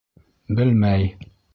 Белмәй.